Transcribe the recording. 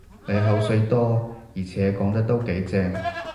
你口水多，而且講得都幾正